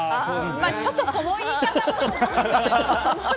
ちょっとその言い方は。